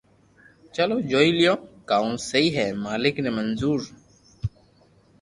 چلو جوئي ليو ڪاو سھي ھي مالڪ ني منظور